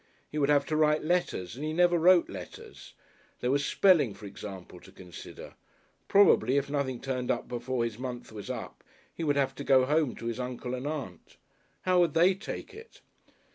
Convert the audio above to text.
He would have to write letters, and he never wrote letters. There was spelling for example to consider. Probably if nothing turned up before his month was up he would have to go home to his Uncle and Aunt. How would they take it?...